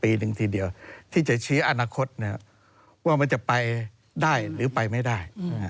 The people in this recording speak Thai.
ปีหนึ่งทีเดียวที่จะชี้อนาคตว่ามันจะไปได้หรือไปไม่ได้